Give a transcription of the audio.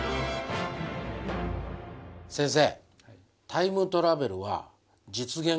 先生。